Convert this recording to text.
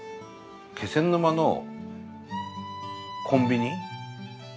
気仙沼のコンビニ。